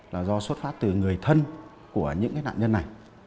là do xuất phát từ người thân của những nạn nhân này